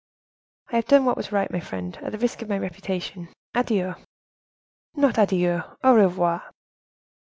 "I have done what was right, my friend, at the risk of my reputation. Adieu!" "Not adieu, au revoir!"